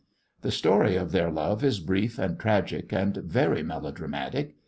The story of their love is brief and tragic and very melodramatic.